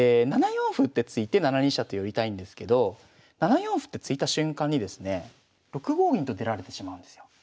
７四歩って突いて７二飛車と寄りたいんですけど７四歩って突いた瞬間にですね６五銀と出られてしまうんですよ。